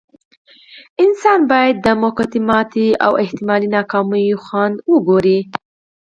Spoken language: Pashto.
انسان بايد د موقتې ماتې او احتمالي ناکاميو خوند وڅکي.